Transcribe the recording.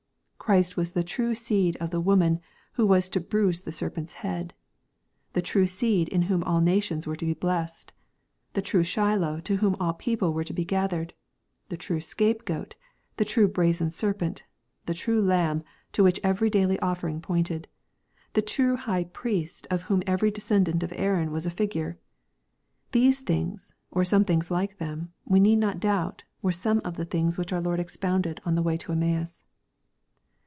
Christ was the true seed of the woman who was to bruise the serpent's head, — the true seed in whom all nations were to be blessed, — the true Shiloh to whom the people were to be gathered, — the true scape goat, — the true brazen serpent, — the true Lamb to which every daily offering pointed, — the true High Priest of whom every descendant of Aaron was a figure. These things, or some thing like them, we need not doubt, were some of the things which our Lord expounded in the way to Emmaus.